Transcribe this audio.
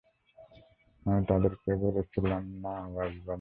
আমি তোদেরকে বলেছিলাম না, ও আসবে না?